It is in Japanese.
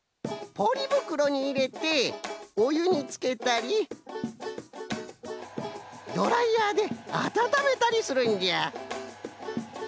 ポリぶくろにいれておゆにつけたりドライヤーであたためたりするんじゃ。